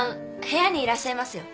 部屋にいらっしゃいますよ